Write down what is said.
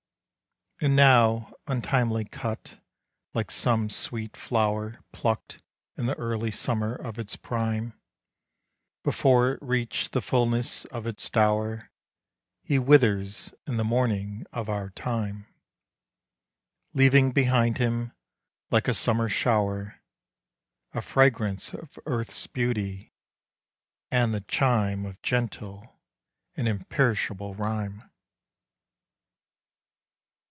And now, untimely cut, like some sweet flower Plucked in the early summer of its prime, Before it reached the fulness of its dower, He withers in the morning of our time; Leaving behind him, like a summer shower, A fragrance of earth's beauty, and the chime Of gentle and imperishable rhyme.